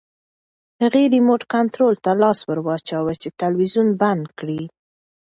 هغې ریموټ کنټرول ته لاس ورواچاوه چې تلویزیون بند کړي.